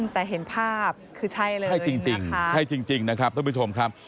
แต่เห็นภาพคือใช่เลยใช่จริงใช่จริงนะครับท่านผู้ชมครับ